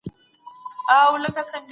چلن د ذهني بهيرونو پايله ګڼل کېږي.